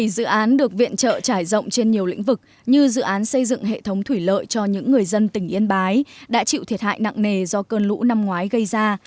một mươi dự án được viện trợ trải rộng trên nhiều lĩnh vực như dự án xây dựng hệ thống thủy lợi cho những người dân tỉnh yên bái đã chịu thiệt hại nặng nề do cơn lũ năm ngoái gây ra